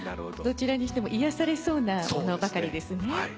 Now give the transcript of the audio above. どちらにしても癒やされそうなものばかりですね。